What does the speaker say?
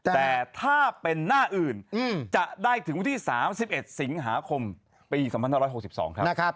แต่ถ้าเป็นหน้าอื่นจะได้ถึงวันที่๓๑สิงหาคมปี๒๕๖๒ครับ